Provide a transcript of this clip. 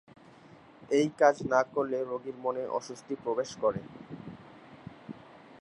এই কাজ না করলে রোগীর মনে অস্বস্তি প্রবেশ করে।